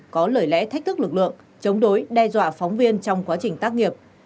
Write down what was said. có lời lẽ thách thức lực lượng chống đối đe dọa phóng viên trong quá trình tác nghiệp